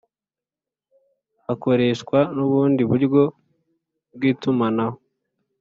Hakoreshwa n ubundi buryo bw itumanaho